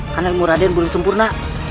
karena ilmu raden belum sempurna